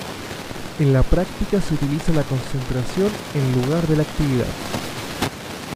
En la práctica se utiliza la concentración en lugar de la actividad.